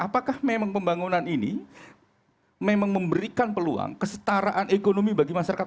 apakah memang pembangunan ini memang memberikan peluang kesetaraan ekonomi bagi masyarakat